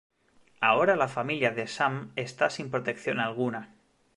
Ahora la familia de Sam está sin protección alguna.